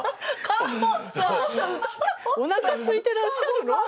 カホさんおなかすいてらっしゃるの？